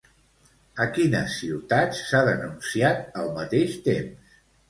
A quines ciutats s'ha denunciat, al mateix temps?